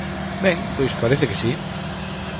Ben, pois parece que si.